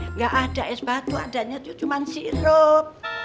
nggak ada es batu adanya itu cuma sirup